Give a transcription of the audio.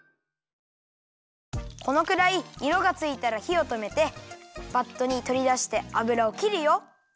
このくらいいろがついたらひをとめてバットにとりだしてあぶらをきるよ。